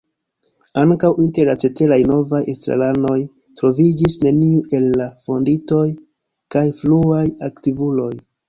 Ankaŭ inter la ceteraj novaj estraranoj troviĝis neniu el la fondintoj kaj fruaj aktivuloj.